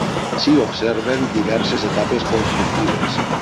S'hi observen diverses etapes constructives.